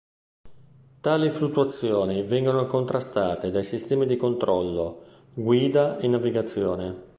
Tali fluttuazioni vengono contrastate dai sistemi di controllo, guida e navigazione.